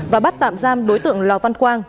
và bắt tạm giam đối tượng lò văn quang